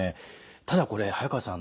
ただこれ早川さん